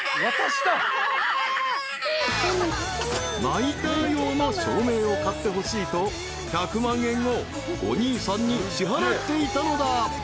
［ナイター用の照明を買ってほしいと１００万円をお兄さんに支払っていたのだ］